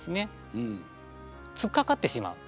つっかかってしまう。